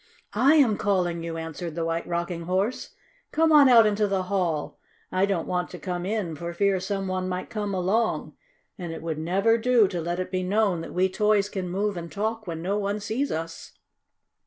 "I am calling you," answered the White Rocking Horse. "Come on out into the hall. I don't want to come in, for fear some one might come along. And it would never do to let it be known that we toys can move and talk when no one sees us."